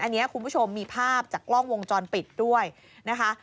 อันนี้คุณผู้ชมมีภาพจากกล้องวงจรปิดด้วยนะคะ